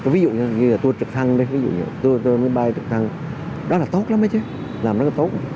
ví dụ như là tui trực thăng tui máy bay trực thăng đó là tốt lắm đấy chứ làm rất là tốt